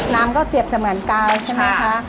น้ำก็เปรียบเสมือนกาวใช่ไหมคะ